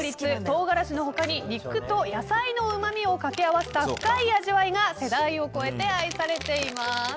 唐辛子の他に肉と野菜のうまみを掛け合わせた深い味わいが世代を超えて愛されています。